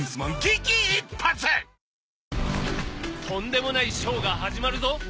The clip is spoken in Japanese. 「とんでもないショーが始まるぞ。